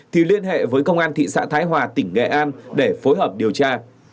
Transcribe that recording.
thì liên hệ với công an thị xã thái hòa tỉnh nghệ an để phối hợp điều tra